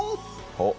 おっ！